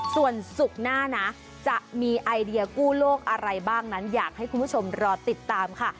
ส่วนศุกร์หน้านะจะมีไอเดียกู้โลกอะไรบ้างนั้นอยากให้คุณผู้ชมรอติดตามค่ะ